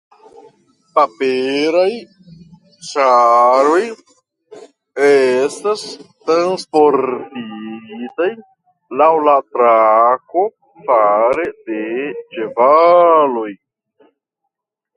Paperaj ĉaroj estas transportitaj laŭ la trako fare de ĉevaloj.